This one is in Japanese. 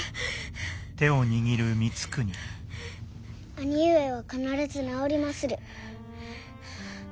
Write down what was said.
兄上は必ず治りまする。